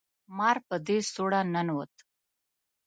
مار په دې سوړه ننوت